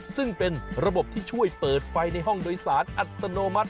ซึ่งเป็นระบบที่ช่วยเปิดไฟในห้องโดยสารอัตโนมัติ